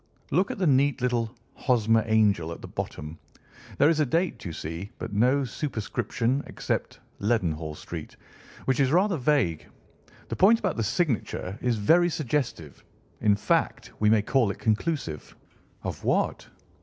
Look at the neat little 'Hosmer Angel' at the bottom. There is a date, you see, but no superscription except Leadenhall Street, which is rather vague. The point about the signature is very suggestive—in fact, we may call it conclusive." "Of what?"